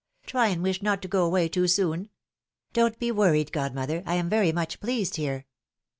Try and wish not to go away too soon !" Don't be worried, godmother; I am very much pleased here